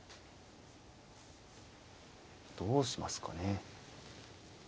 どうしますかね。